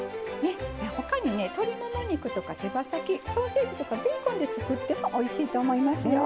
他にね鶏もも肉とか手羽先ソーセージとかベーコンで作ってもおいしいと思いますよ。